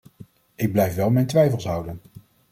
Ik blijf wel mijn twijfels houden.